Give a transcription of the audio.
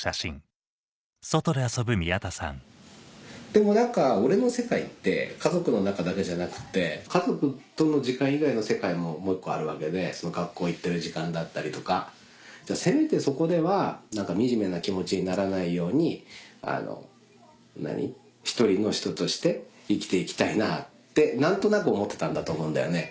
でも何か俺の世界って家族の中だけじゃなくて家族との時間以外の世界ももう一個あるわけで学校行ってる時間だったりとかじゃあせめてそこでは何か惨めな気持ちにならないように１人の人として生きて行きたいなぁって何となく思ってたんだと思うんだよね。